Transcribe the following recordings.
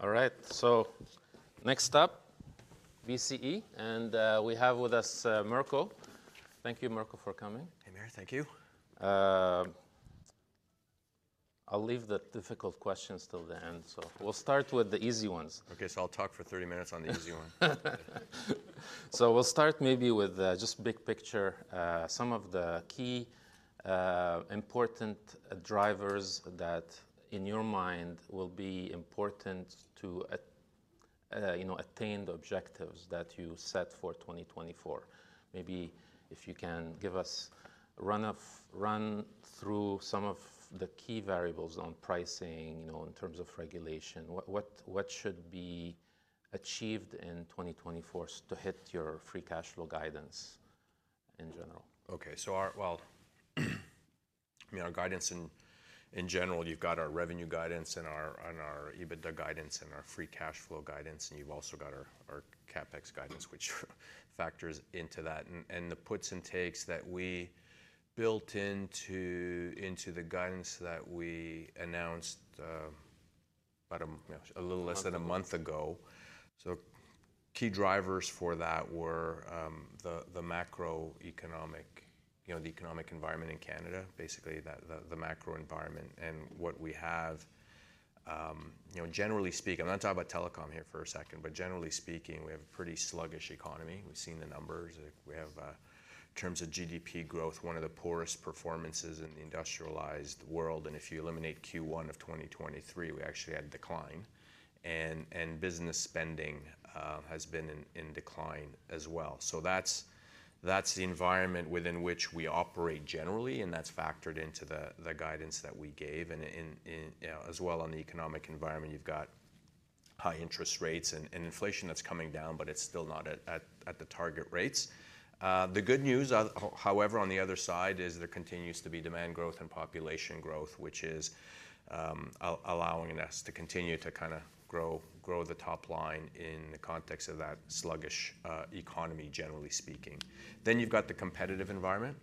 All right, so next up, BCE, and we have with us Mirko. Thank you, Mirko, for coming. Hey, Maher, thank you. I'll leave the difficult questions till the end, so we'll start with the easy ones. Okay, so I'll talk for 30 minutes on the easy one. So we'll start maybe with, just big picture, some of the key, important, drivers that, in your mind, will be important to, you know, attain the objectives that you set for 2024. Maybe if you can give us a run-through of some of the key variables on pricing, you know, in terms of regulation. What should be achieved in 2024 to hit your Free Cash Flow guidance in general? Okay, so, well, I mean, our guidance in general, you've got our revenue guidance and our EBITDA guidance and our free cash flow guidance, and you've also got our CapEx guidance, which factors into that. And the puts and takes that we built into the guidance that we announced, about, you know, a little less than a month ago. So key drivers for that were the macroeconomic, you know, the economic environment in Canada, basically, the macro environment, and what we have, you know, generally speaking I'm not talking about telecom here for a second, but generally speaking, we have a pretty sluggish economy. We've seen the numbers. Like, we have, in terms of GDP growth, one of the poorest performances in the industrialized world. And if you eliminate Q1 of 2023, we actually had decline. And business spending has been in decline as well. So that's the environment within which we operate generally, and that's factored into the guidance that we gave. And in, you know, as well on the economic environment, you've got high interest rates and inflation that's coming down, but it's still not at the target rates. The good news are however, on the other side, is there continues to be demand growth and population growth, which is allowing us to continue to kinda grow the top line in the context of that sluggish economy, generally speaking. Then you've got the competitive environment.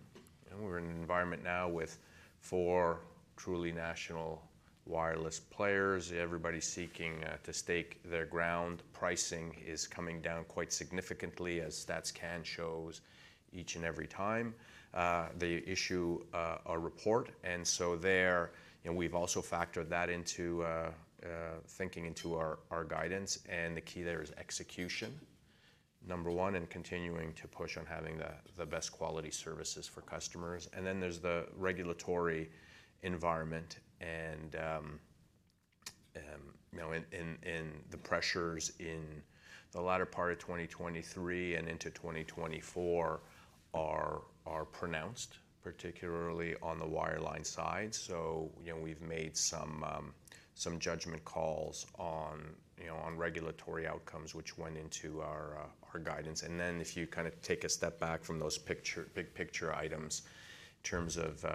You know, we're in an environment now with four truly national wireless players. Everybody's seeking to stake their ground. Pricing is coming down quite significantly, as StatsCan show each and every time. The issue our report. So there, you know, we've also factored that into thinking into our guidance. The key there is execution, number one, and continuing to push on having the best quality services for customers. Then there's the regulatory environment. You know, in the pressures in the latter part of 2023 and into 2024 are pronounced, particularly on the wireline side. So, you know, we've made some judgment calls on regulatory outcomes, which went into our guidance. Then if you kinda take a step back from those picture big picture items in terms of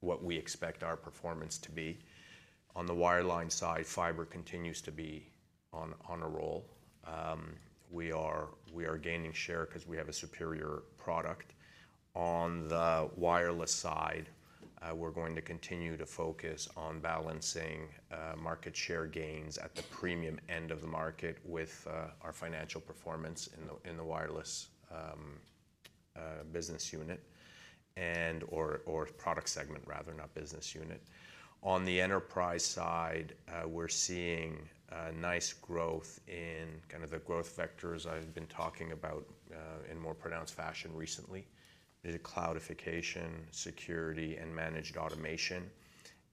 what we expect our performance to be, on the wireline side, fiber continues to be on a roll. We are gaining share 'cause we have a superior product. On the wireless side, we're going to continue to focus on balancing market share gains at the premium end of the market with our financial performance in the wireless business unit and/or product segment, rather, not business unit. On the enterprise side, we're seeing nice growth in kinda the growth vectors I've been talking about, in more pronounced fashion recently. There's a cloudification, security, and managed automation.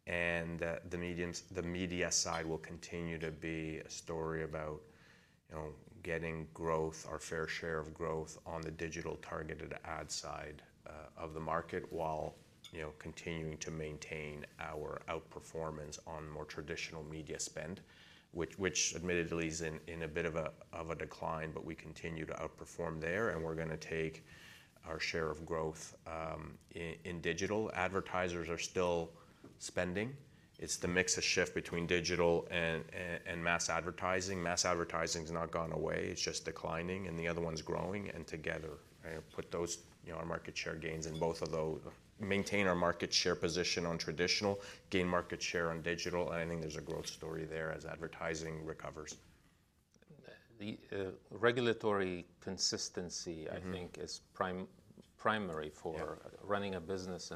And the media side will continue to be a story about, you know, getting growth, our fair share of growth, on the digital targeted ad side of the market while, you know, continuing to maintain our outperformance on more traditional media spend, which admittedly is in a bit of a decline, but we continue to outperform there. And we're gonna take our share of growth in digital. Advertisers are still spending. It's the mix of shift between digital and mass advertising. Mass advertising's not gone away. It's just declining, and the other one's growing. And together, you know, put those you know, our market share gains in both of those maintain our market share position on traditional, gain market share on digital. And I think there's a growth story there as advertising recovers. The regulatory consistency, I think, is primarily for running a business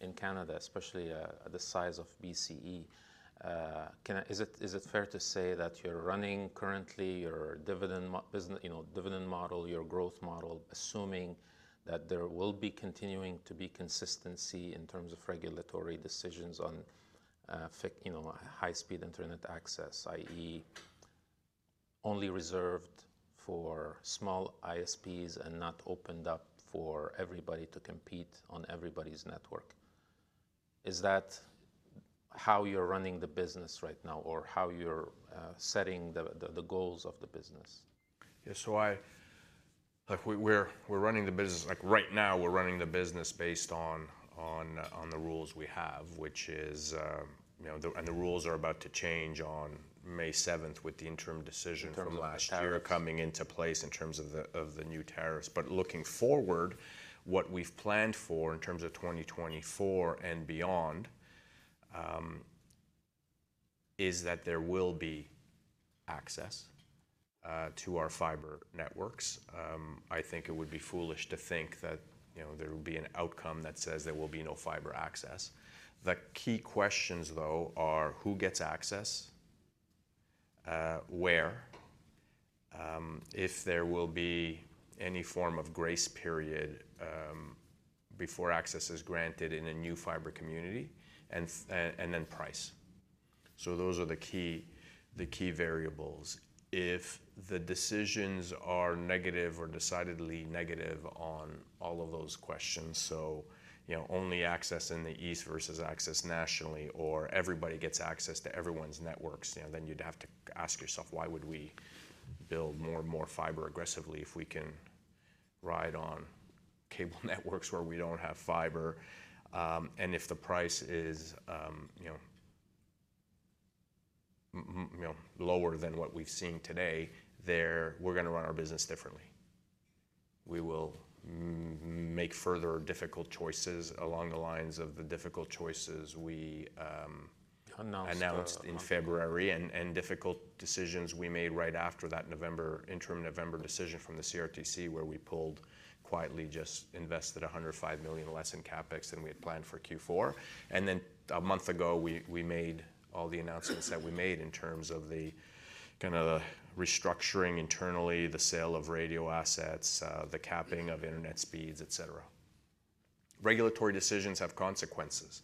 in Canada, especially the size of BCE. Is it fair to say that you're running currently your dividend model business, you know, dividend model, your growth model, assuming that there will be continuing to be consistency in terms of regulatory decisions on fixed, you know, high-speed internet access, i.e., only reserved for small ISPs and not opened up for everybody to compete on everybody's network? Is that how you're running the business right now or how you're setting the goals of the business? Yeah, so I like, we're running the business like, right now, we're running the business based on the rules we have, which is, you know, the rules are about to change on May 7th with the interim decision from last year coming into place in terms of the new tariffs. But looking forward, what we've planned for in terms of 2024 and beyond, is that there will be access to our fibre networks. I think it would be foolish to think that, you know, there will be an outcome that says there will be no fibre access. The key questions, though, are who gets access, where, if there will be any form of grace period before access is granted in a new fibre community, and then price. So those are the key variables. If the decisions are negative or decidedly negative on all of those questions, so, you know, only access in the east versus access nationally or everybody gets access to everyone's networks, you know, then you'd have to ask yourself, why would we build more and more fiber aggressively if we can ride on cable networks where we don't have fiber? And if the price is, you know, lower than what we've seen today, then we're gonna run our business differently. We will make further difficult choices along the lines of the difficult choices we announced in February. Unannounced. And difficult decisions we made right after that November interim decision from the CRTC where we pulled quietly, just invested 105 million less in CapEx than we had planned for Q4. And then a month ago, we made all the announcements that we made in terms of the kinda restructuring internally, the sale of radio assets, the capping of internet speeds, etc. Regulatory decisions have consequences.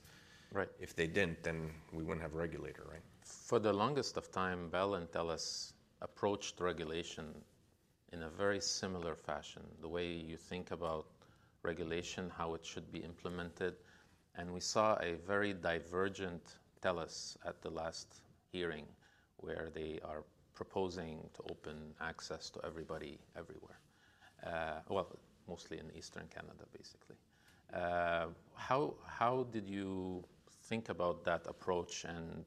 Right. If they didn't, then we wouldn't have a regulator, right? For the longest of time, Bell and TELUS approached regulation in a very similar fashion, the way you think about regulation, how it should be implemented. And we saw a very divergent TELUS at the last hearing where they are proposing to open access to everybody everywhere, well, mostly in Eastern Canada, basically. How, how did you think about that approach? And,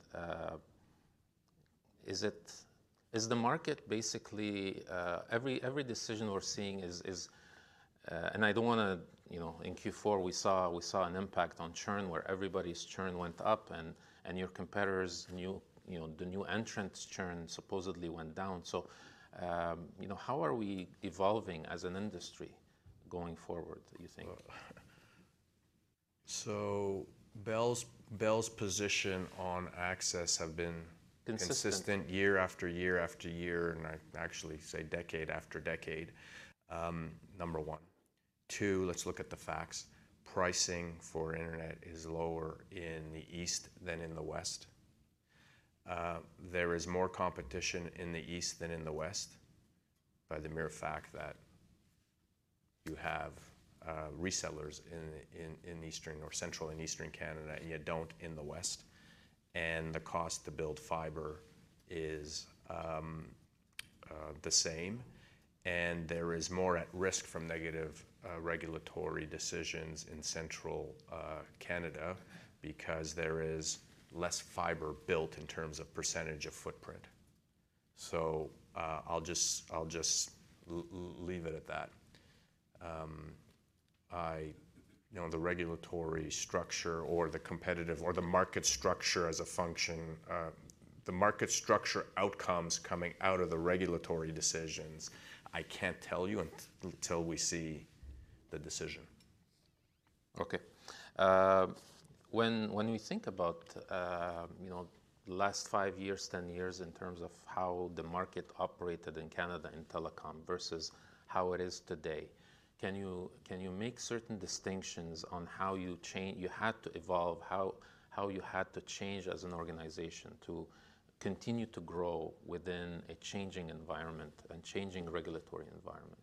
is the market basically every decision we're seeing is, and I don't wanna, you know, in Q4, we saw an impact on churn where everybody's churn went up, and your competitors' new, you know, the new entrant's churn supposedly went down. So, you know, how are we evolving as an industry going forward, do you think? So Bell's position on access have been. Consistent. Consistent year after year after year, and I actually say decade after decade, number one. Two, let's look at the facts. Pricing for internet is lower in the east than in the west. There is more competition in the east than in the west by the mere fact that you have resellers in eastern or central and eastern Canada, and yet don't in the west. And the cost to build fiber is the same. And there is more at risk from negative regulatory decisions in central Canada because there is less fiber built in terms of percentage of footprint. So, I'll just leave it at that. I, you know, the regulatory structure or the competitive or the market structure as a function of the market structure outcomes coming out of the regulatory decisions, I can't tell you until we see the decision. Okay. When we think about, you know, last five years, 10 years in terms of how the market operated in Canada in telecom versus how it is today, can you make certain distinctions on how you change you had to evolve, how you had to change as an organization to continue to grow within a changing environment and changing regulatory environment?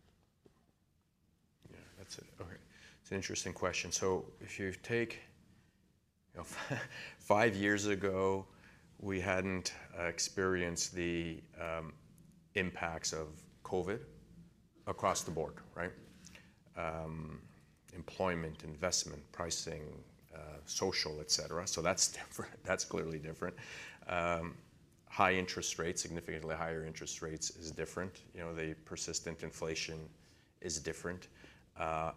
Yeah, that's okay. It's an interesting question. So if you take, you know, five years ago, we hadn't experienced the impacts of COVID across the board, right? Employment, investment, pricing, social, etc. So that's different. That's clearly different. High interest rates, significantly higher interest rates is different. You know, the persistent inflation is different.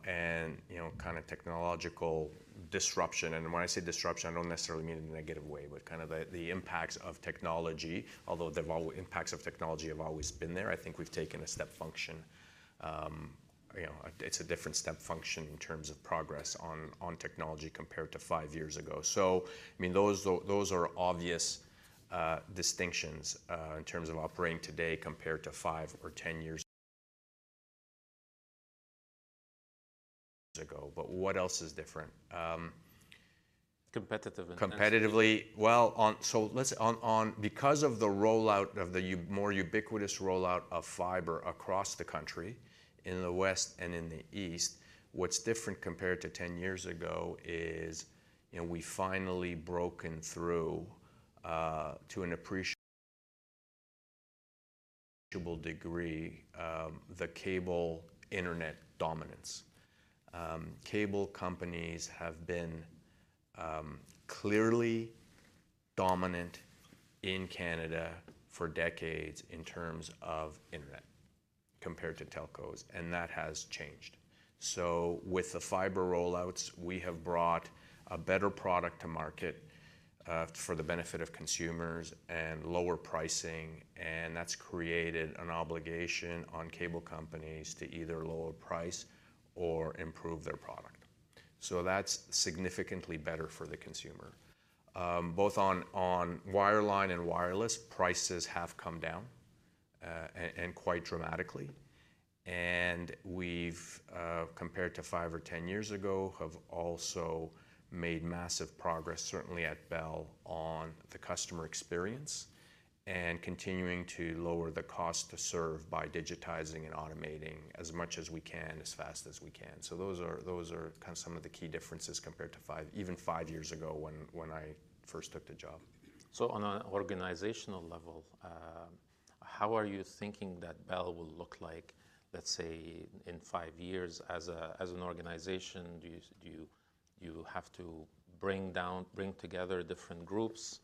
And, you know, kinda technological disruption. And when I say disruption, I don't necessarily mean in a negative way, but kinda the impacts of technology, although the impacts of technology have always been there. I think we've taken a step function. You know, it's a different step function in terms of progress on technology compared to five years ago. So, I mean, those are obvious distinctions in terms of operating today compared to five or 10 years ago. But what else is different? Competitive and. Competitively, well, because of the rollout of the more ubiquitous rollout of fiber across the country in the west and in the east, what's different compared to 10 years ago is, you know, we finally broken through, to an appreciable degree, the cable internet dominance. Cable companies have been clearly dominant in Canada for decades in terms of internet compared to telcos, and that has changed. So with the fiber rollouts, we have brought a better product to market, for the benefit of consumers and lower pricing. And that's created an obligation on cable companies to either lower price or improve their product. So that's significantly better for the consumer. Both on wireline and wireless, prices have come down, and quite dramatically. We've, compared to five or 10 years ago, have also made massive progress, certainly at Bell, on the customer experience and continuing to lower the cost to serve by digitizing and automating as much as we can, as fast as we can. Those are kinda some of the key differences compared to five, even five years ago when I first took the job. So on an organizational level, how are you thinking that Bell will look like, let's say, in five years as an organization? Do you have to bring together different groups?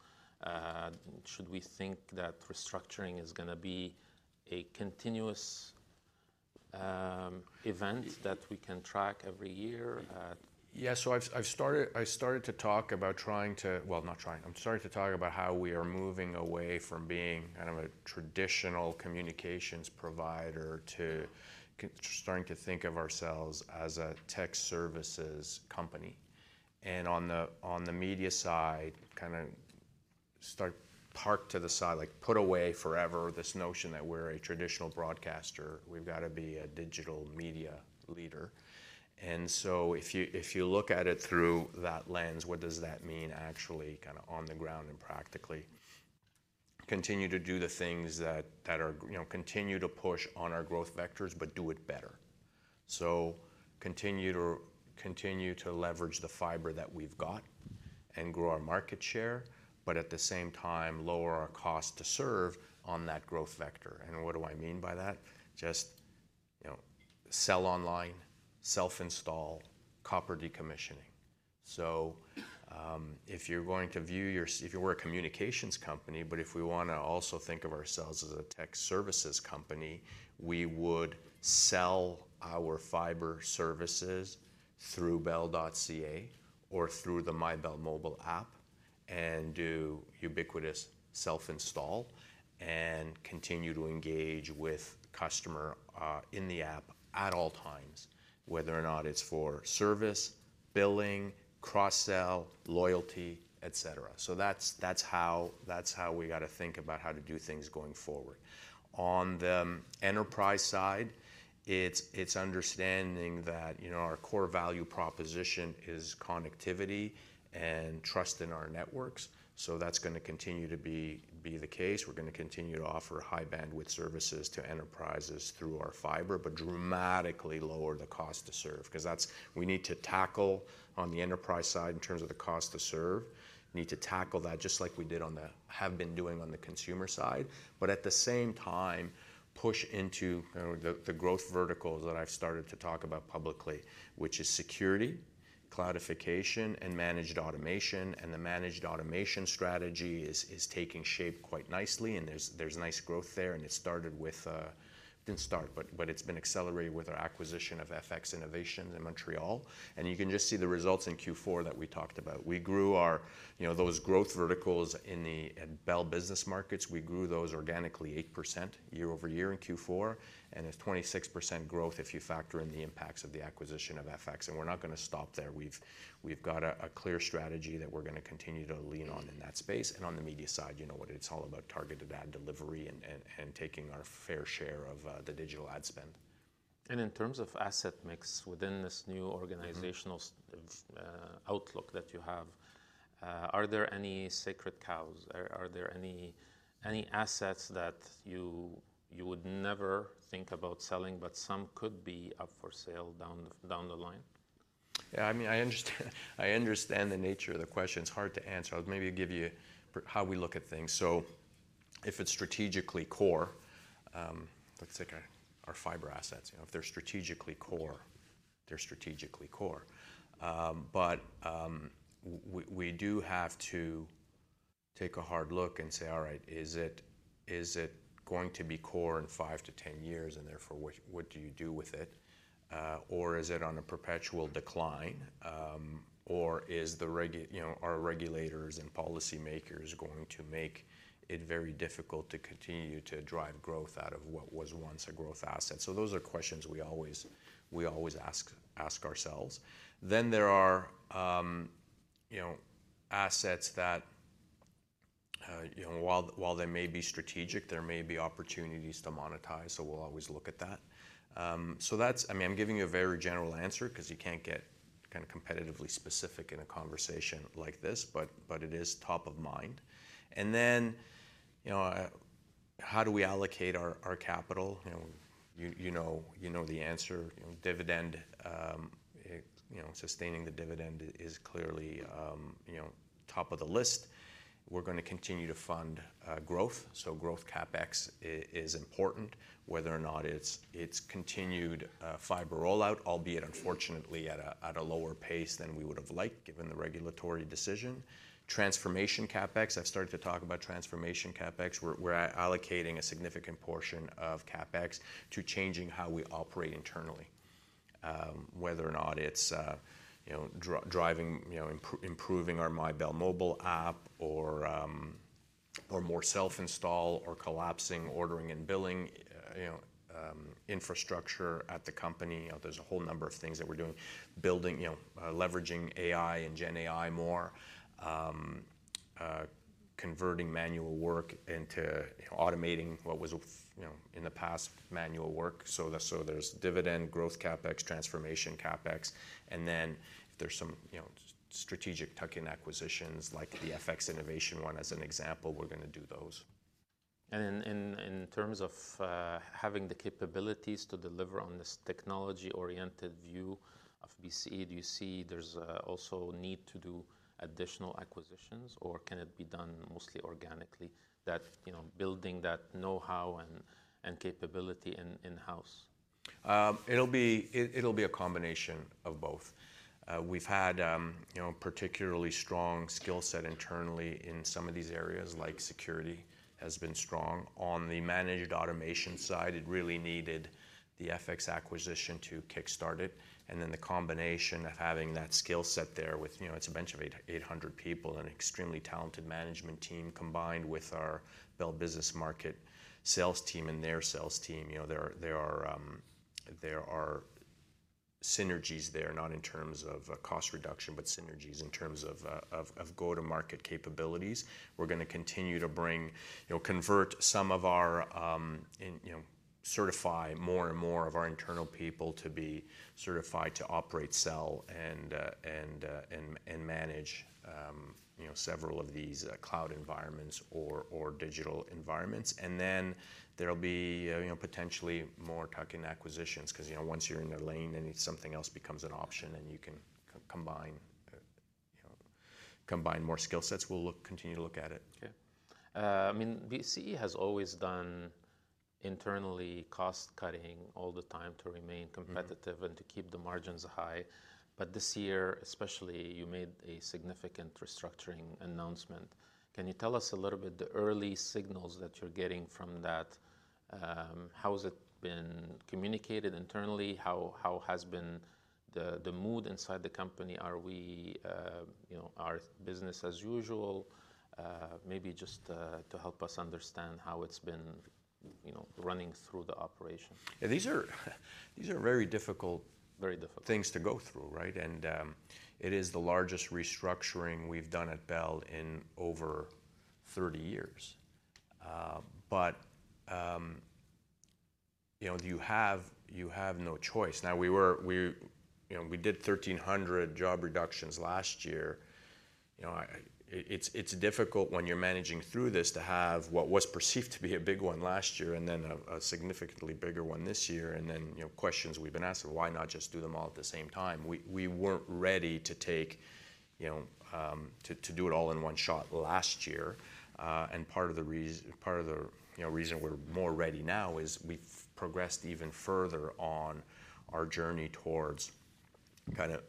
Should we think that restructuring is gonna be a continuous event that we can track every year? Yeah, so I've started to talk about trying to—well, not trying. I'm starting to talk about how we are moving away from being kind of a traditional communications provider to starting to think of ourselves as a tech services company. And on the media side, kinda set apart to the side, like, put away forever this notion that we're a traditional broadcaster. We've gotta be a digital media leader. And so if you look at it through that lens, what does that mean actually, kinda on the ground and practically? Continue to do the things that are, you know, continue to push on our growth vectors but do it better. So continue to leverage the fiber that we've got and grow our market share but at the same time, lower our cost to serve on that growth vector. And what do I mean by that? Just, you know, sell online, self-install, copper decommissioning. So, if you're going to view yourself if you were a communications company but if we wanna also think of ourselves as a tech services company, we would sell our fiber services through bell.ca or through the MyBell Mobile app and do ubiquitous self-install and continue to engage with customer, in the app at all times, whether or not it's for service, billing, cross-sell, loyalty, etc. So that's, that's how that's how we gotta think about how to do things going forward. On the enterprise side, it's, it's understanding that, you know, our core value proposition is connectivity and trust in our networks. So that's gonna continue to be, be the case. We're gonna continue to offer high-bandwidth services to enterprises through our fiber but dramatically lower the cost to serve 'cause that's what we need to tackle on the enterprise side in terms of the cost to serve, need to tackle that just like we've been doing on the consumer side but at the same time, push into, you know, the growth verticals that I've started to talk about publicly, which is security, cloudification, and managed automation. The managed automation strategy is taking shape quite nicely, and there's nice growth there. It started with, didn't start but, it's been accelerated with our acquisition of FX Innovation in Montreal. You can just see the results in Q4 that we talked about. We grew our, you know, those growth verticals at Bell Business Markets. We grew those organically 8% year-over-year in Q4 and a 26% growth if you factor in the impacts of the acquisition of FX. And we're not gonna stop there. We've got a clear strategy that we're gonna continue to lean on in that space. And on the media side, you know what? It's all about targeted ad delivery and taking our fair share of the digital ad spend. In terms of asset mix within this new organization's outlook that you have, are there any sacred cows? Are there any assets that you would never think about selling but some could be up for sale down the line? Yeah, I mean, I understand the nature of the question. It's hard to answer. I'll maybe give you a picture of how we look at things. So if it's strategically core, let's take our Fibre assets. You know, if they're strategically core, they're strategically core. But we do have to take a hard look and say, "All right, is it going to be core in five to 10 years and therefore, what do you do with it? or is it on a perpetual decline? or is the regulatory, you know, are regulators and policymakers going to make it very difficult to continue to drive growth out of what was once a growth asset?" So those are questions we always ask ourselves. Then there are, you know, assets that, you know, while they may be strategic, there may be opportunities to monetize. So we'll always look at that. So that's, I mean, I'm giving you a very general answer 'cause you can't get kinda competitively specific in a conversation like this, but, but it is top of mind. And then, you know, how do we allocate our capital? You know, you know the answer. You know, dividend, I, you know, sustaining the dividend is clearly, you know, top of the list. We're gonna continue to fund growth. So growth CapEx is important, whether or not it's continued fiber rollout, albeit unfortunately at a lower pace than we would have liked given the regulatory decision. Transformation CapEx I've started to talk about transformation CapEx. We're allocating a significant portion of CapEx to changing how we operate internally, whether or not it's, you know, driving, you know, improving our MyBell Mobile app or more self-install or collapsing ordering and billing, you know, infrastructure at the company. You know, there's a whole number of things that we're doing, building, you know, leveraging AI and GenAI more, converting manual work into, you know, automating what was, you know, in the past manual work. So there's dividend, growth CapEx, transformation CapEx. And then if there's some, you know, strategic tuck-in acquisitions like the FX Innovation one as an example, we're gonna do those. In terms of having the capabilities to deliver on this technology-oriented view of BCE, do you see there's also need to do additional acquisitions, or can it be done mostly organically? That, you know, building that know-how and capability in-house? It'll be a combination of both. We've had, you know, particularly strong skill set internally in some of these areas, like security has been strong. On the managed automation side, it really needed the FX acquisition to kickstart it. And then the combination of having that skill set there with, you know, it's a bunch of 800 people, an extremely talented management team combined with our Bell Business Markets sales team and their sales team. You know, there are synergies there, not in terms of cost reduction but synergies in terms of go-to-market capabilities. We're gonna continue to bring, you know, convert some of our, in you know, certify more and more of our internal people to be certified to operate, sell, and manage, you know, several of these cloud environments or digital environments. And then there'll be, you know, potentially more tuck-in acquisitions 'cause, you know, once you're in their lane and it's something else becomes an option and you can combine, you know, combine more skill sets, we'll continue to look at it. Okay. I mean, BCE has always done internally cost-cutting all the time to remain competitive and to keep the margins high. But this year, especially, you made a significant restructuring announcement. Can you tell us a little bit the early signals that you're getting from that? How has it been communicated internally? How has been the mood inside the company? Are we, you know, our business as usual? Maybe just, to help us understand how it's been, you know, running through the operation. Yeah, these are these are very difficult. Very difficult. Things to go through, right? It is the largest restructuring we've done at Bell in over 30 years. You know, you have no choice. Now, we were, you know, we did 1,300 job reductions last year. You know, it's difficult when you're managing through this to have what was perceived to be a big one last year and then a significantly bigger one this year and then, you know, questions we've been asked of, "Why not just do them all at the same time?" We weren't ready to take, you know, to do it all in one shot last year. Part of the reason, you know, reason we're more ready now is we've progressed even further on our journey towards kinda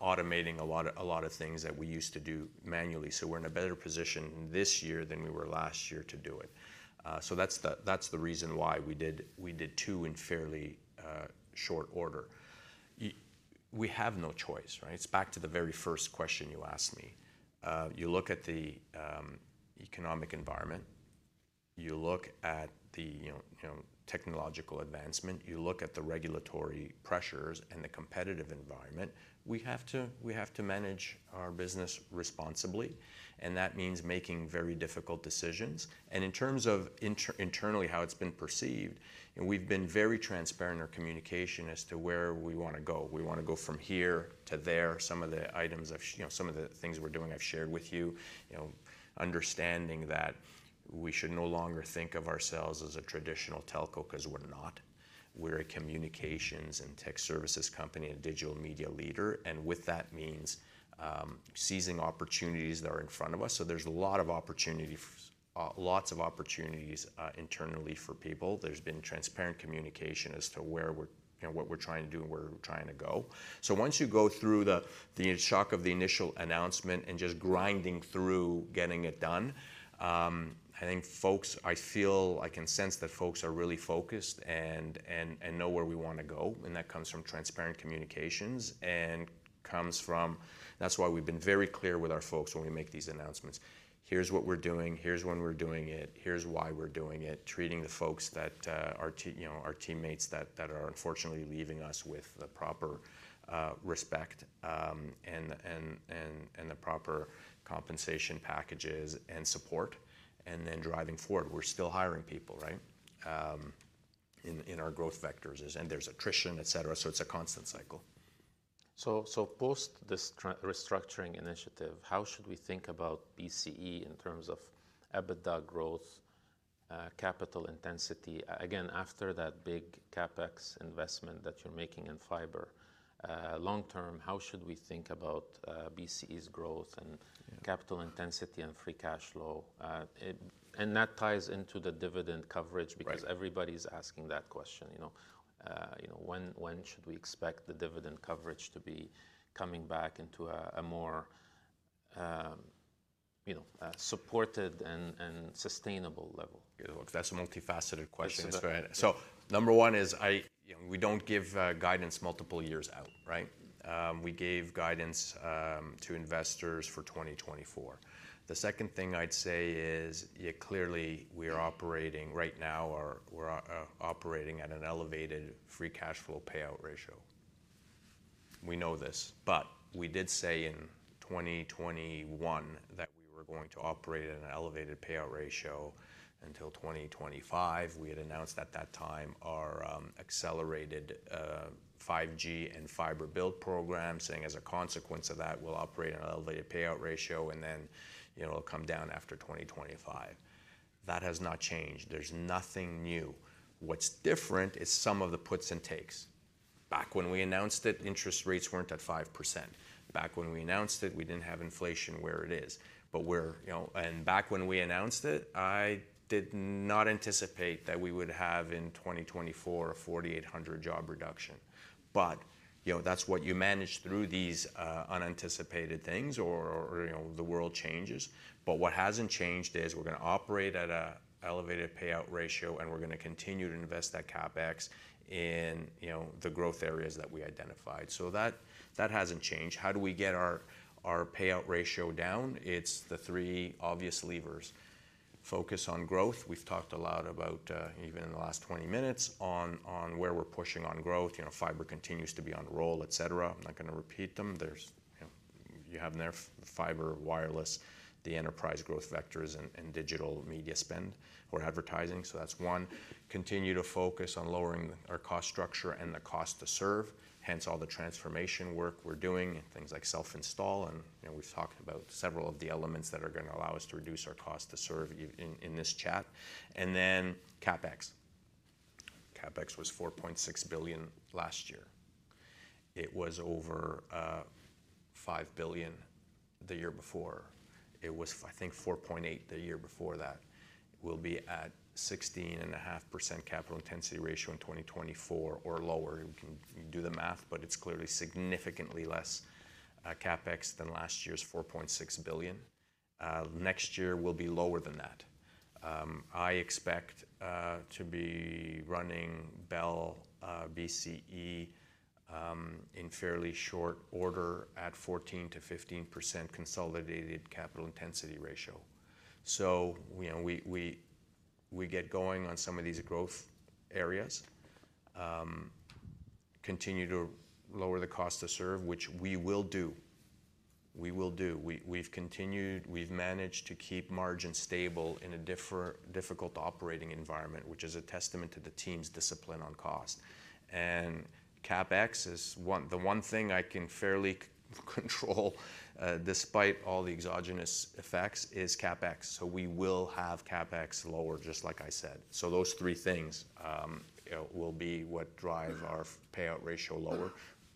automating a lot of a lot of things that we used to do manually. So we're in a better position this year than we were last year to do it. So that's the reason why we did two in fairly short order. Yeah, we have no choice, right? It's back to the very first question you asked me. You look at the economic environment, you look at the, you know, technological advancement, you look at the regulatory pressures and the competitive environment, we have to manage our business responsibly. And that means making very difficult decisions. And in terms of internally how it's been perceived, you know, we've been very transparent in our communication as to where we wanna go. We wanna go from here to there. Some of the items I've shared, you know, some of the things we're doing, I've shared with you, you know, understanding that we should no longer think of ourselves as a traditional telco 'cause we're not. We're a communications and tech services company, a digital media leader. And with that means, seizing opportunities that are in front of us. So there's a lot of opportunities, lots of opportunities, internally for people. There's been transparent communication as to where we're, you know, what we're trying to do and where we're trying to go. So once you go through the shock of the initial announcement and just grinding through getting it done, I think folks feel I can sense that folks are really focused and know where we wanna go. And that comes from transparent communications and comes from that's why we've been very clear with our folks when we make these announcements. Here's what we're doing. Here's when we're doing it. Here's why we're doing it, treating the folks that, you know, our teammates that are unfortunately leaving us with the proper respect, and the proper compensation packages and support and then driving forward. We're still hiring people, right? In our growth vectors, and there's attrition, etc. So it's a constant cycle. So post this restructuring initiative, how should we think about BCE in terms of EBITDA growth, capital intensity? Again, after that big CapEx investment that you're making in fiber, long-term, how should we think about BCE's growth and. Yeah. Capital Intensity and Free Cash Flow? I and that ties into the dividend coverage because. Right. Everybody's asking that question, you know. You know, when should we expect the dividend coverage to be coming back into a more, you know, supported and sustainable level? Yeah, well, that's a multifaceted question. Yeah. It's very so number one is, I, you know, we don't give guidance multiple years out, right? We gave guidance to investors for 2024. The second thing I'd say is, yeah, clearly, we are operating right now, or we're operating at an elevated free cash flow payout ratio. We know this. But we did say in 2021 that we were going to operate at an elevated payout ratio until 2025. We had announced at that time our accelerated 5G and fiber build program, saying as a consequence of that, we'll operate at an elevated payout ratio, and then, you know, it'll come down after 2025. That has not changed. There's nothing new. What's different is some of the puts and takes. Back when we announced it, interest rates weren't at 5%. Back when we announced it, we didn't have inflation where it is. But we're, you know, and back when we announced it, I did not anticipate that we would have in 2024 a 4,800 job reduction. But, you know, that's what you manage through these unanticipated things or, or, or, you know, the world changes. But what hasn't changed is we're gonna operate at an elevated payout ratio, and we're gonna continue to invest that CapEx in, you know, the growth areas that we identified. So that hasn't changed. How do we get our payout ratio down? It's the three obvious levers: focus on growth. We've talked a lot about, even in the last 20 minutes, on where we're pushing on growth. You know, fiber continues to be on roll, etc. I'm not gonna repeat them. There's, you know, you have in there fiber, wireless, the enterprise growth vectors, and digital media spend or advertising. So that's one. Continue to focus on lowering our cost structure and the cost to serve, hence all the transformation work we're doing and things like self-install. And, you know, we've talked about several of the elements that are gonna allow us to reduce our cost to serve in this chat. And then CapEx. CapEx was 4.6 billion last year. It was over 5 billion the year before. It was I think 4.8 billion the year before that. We'll be at 16.5% capital intensity ratio in 2024 or lower. You can do the math, but it's clearly significantly less CapEx than last year's 4.6 billion. Next year, we'll be lower than that. I expect to be running Bell, BCE, in fairly short order at 14%-15% consolidated capital intensity ratio. So, you know, we get going on some of these growth areas, continue to lower the cost to serve, which we will do. We will do. We've continued. We've managed to keep margins stable in a difficult operating environment, which is a testament to the team's discipline on cost. And CapEx is the one thing I can fairly control, despite all the exogenous effects. So we will have CapEx lower, just like I said. So those three things, you know, will be what drive our payout ratio lower.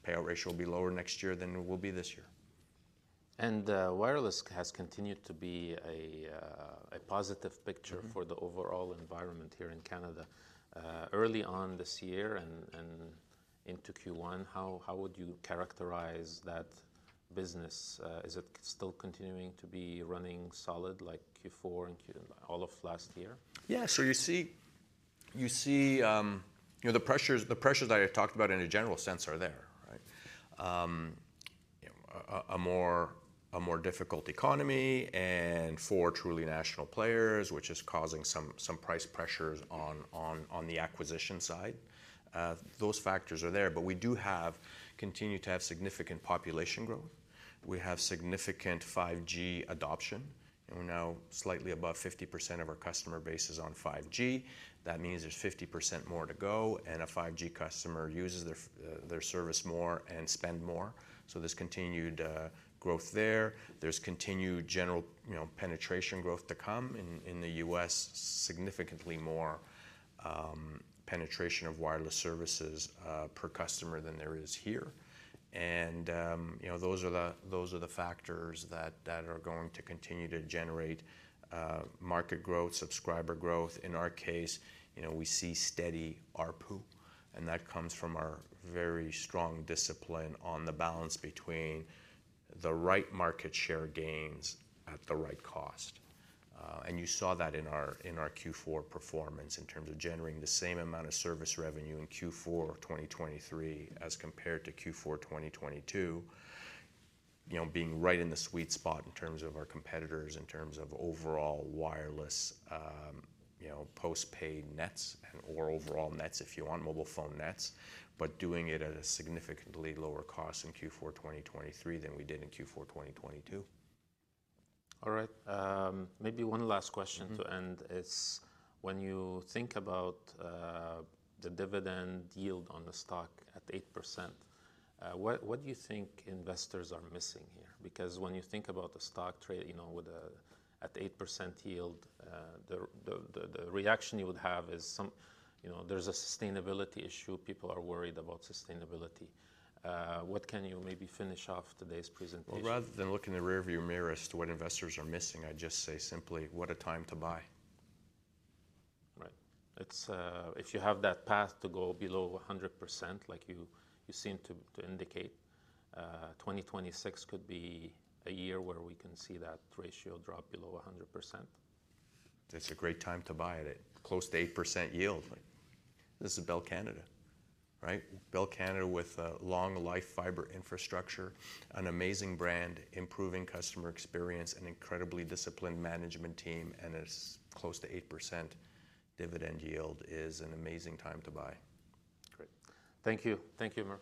Payout ratio will be lower next year than it will be this year. Wireless has continued to be a positive picture for the overall environment here in Canada. Early on this year and into Q1, how would you characterize that business? Is it still continuing to be running solid like Q4 and Q all of last year? Yeah. So you see, you know, the pressures that I talked about in a general sense are there, right? You know, a more difficult economy and for truly national players, which is causing some price pressures on the acquisition side. Those factors are there. But we continue to have significant population growth. We have significant 5G adoption. And we're now slightly above 50% of our customer base is on 5G. That means there's 50% more to go, and a 5G customer uses their service more and spend more. So there's continued growth there. There's continued general, you know, penetration growth to come in the U.S., significantly more penetration of wireless services per customer than there is here. You know, those are the factors that are going to continue to generate market growth, subscriber growth. In our case, you know, we see steady RPU. That comes from our very strong discipline on the balance between the right market share gains at the right cost. You saw that in our Q4 performance in terms of generating the same amount of service revenue in Q4 2023 as compared to Q4 2022, you know, being right in the sweet spot in terms of our competitors, in terms of overall wireless, you know, postpaid nets and or overall nets, if you want, mobile phone nets, but doing it at a significantly lower cost in Q4 2023 than we did in Q4 2022. All right. Maybe one last question to end. Yeah. When you think about the dividend yield on the stock at 8%, what do you think investors are missing here? Because when you think about the stock trade, you know, with a at 8% yield, the reaction you would have is some, you know, there's a sustainability issue. People are worried about sustainability. What can you maybe finish off today's presentation? Well, rather than look in the rearview mirror as to what investors are missing, I'd just say simply, "What a time to buy. Right. It's if you have that path to go below 100%, like you seem to indicate, 2026 could be a year where we can see that ratio drop below 100%. That's a great time to buy it at close to 8% yield. Like, this is Bell Canada, right? Why Bell Canada with a long-life fiber infrastructure, an amazing brand, improving customer experience, an incredibly disciplined management team, and it's close to 8% dividend yield is an amazing time to buy. Great. Thank you. Thank you, Mr.